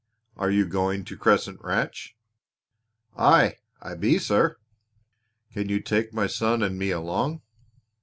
"Are you going to Crescent Ranch?" "Aye, I be, sir." "Can you take my son and me along?"